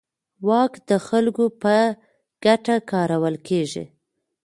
واک د خلکو په ګټه کارول کېږي.